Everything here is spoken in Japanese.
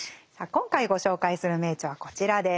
今回ご紹介する名著はこちらです。